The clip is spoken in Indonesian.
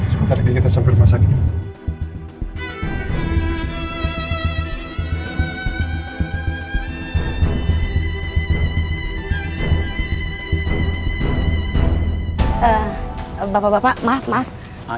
sementara kita sambil masakinmu